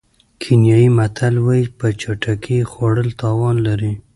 کینیايي متل وایي په چټکۍ خوړل تاوان لري.